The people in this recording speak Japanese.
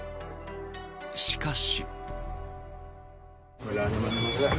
しかし。